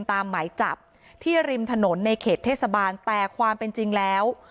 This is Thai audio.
หมายจับที่ริมถนนในเขตเทศบาลแต่ความเป็นจริงแล้ว